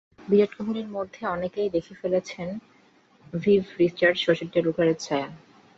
বিরাট কোহলির মধ্যে অনেকেই দেখে ফেলছেন ভিভ রিচার্ডস, শচীন টেন্ডুলকারের ছায়া।